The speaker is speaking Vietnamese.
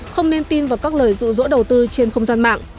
không nên tin vào các lời dụ dỗ đầu tư trên không gian mạng